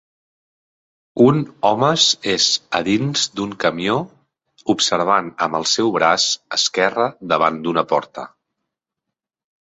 Un homes és a dins d'un camió observant amb el seu braç esquerre davant d'una porta.